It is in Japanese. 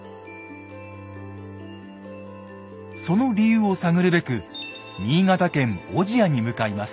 その理由を探るべく新潟県小千谷に向かいます。